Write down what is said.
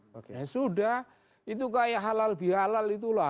oke sudah itu kayak halal bihalal itulah